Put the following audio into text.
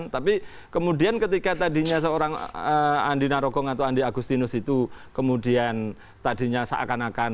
tapi kemudian ketika tadinya seorang andi narogong atau andi agustinus itu kemudian tadinya seakan akan